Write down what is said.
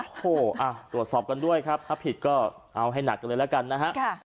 โอ้โหตรวจสอบกันด้วยครับถ้าผิดก็เอาให้หนักกันเลยแล้วกันนะฮะ